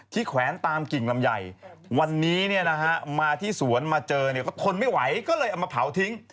แขวนตามกิ่งลำไยวันนี้มาที่สวนมาเจอเนี่ยก็ทนไม่ไหวก็เลยเอามาเผาทิ้ง